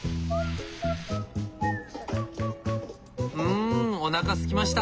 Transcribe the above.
んおなかすきました。